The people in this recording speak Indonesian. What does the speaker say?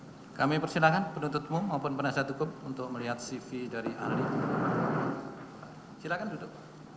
hai kami persilahkan penuntutmu maupun penasihat hukum untuk melihat cv dari alih silakan duduk